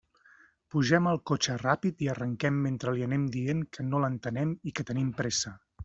Pugem al cotxe ràpid i arrenquem mentre li anem dient que no l'entenem i que tenim pressa.